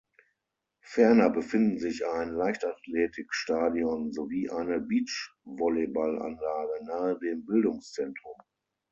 Ferner befinden sich ein Leichtathletikstadion sowie eine Beachvolleyballanlage nahe dem Bildungszentrum.